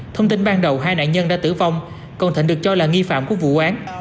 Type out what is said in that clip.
thông tin ban đầu hai nạn nhân đã tử vong còn thịnh được cho là nghi phạm của vụ án